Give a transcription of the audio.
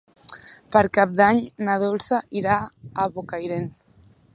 Per Cap d'Any na Dolça irà a Bocairent.